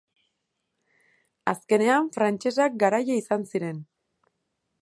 Azkenean, frantsesak garaile izan ziren.